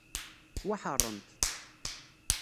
Ttwaḥeṛṛent.